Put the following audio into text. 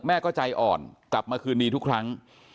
แม่ก็ใจอ่อนกลับมาคืนดีทุกครั้ง